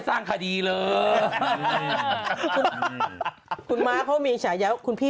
สร้างคดีเลยคุณมาเพราะมีขยะคุณพี่